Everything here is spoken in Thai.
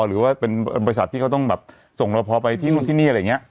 หรือว่าเป็นบริษัทที่เขาต้องแบบส่งรอพอไปที่นู่นที่นี่อะไรอย่างนี้